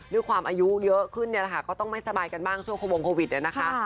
ด้วยความอายุเยอะขึ้นเนี่ยแหละค่ะก็ต้องไม่สบายกันบ้างช่วงวงโควิดเนี่ยนะคะ